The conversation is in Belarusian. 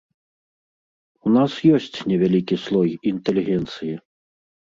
У нас ёсць невялікі слой інтэлігенцыі.